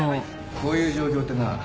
こういう状況ってな